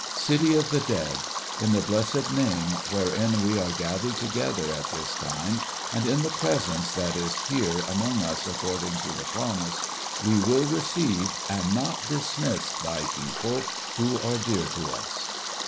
City of the Dead, in the blessed name wherein we are gathered together at this time, and in the Presence that is here among us according to the promise, we will receive, and not dismiss, thy people who are dear to us